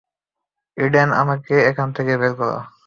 Eden, আমাকে এখানে থেকে বের করো।